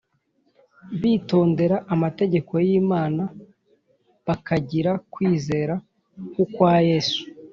bitondera amategeko y‟Imana bakagira kwizera nku kwa Yesu